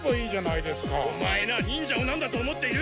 オマエな忍者をなんだと思っている？